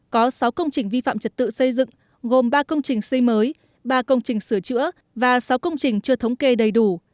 có sáu công trình vi phạm trật tự xây dựng gồm ba công trình xây mới ba công trình sửa chữa và sáu công trình chưa thống kê đầy đủ